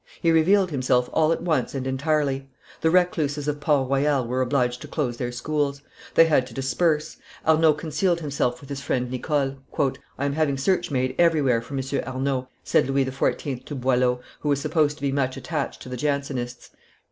He revealed himself all at once and entirely. The recluses of Port Royal were obliged to close their schools; they had to disperse. Arnauld concealed himself with his friend Nicole. "I am having search made everywhere for M. Arnauld," said Louis XIV. to Boileau, who was supposed to be much attached to the Jansenists.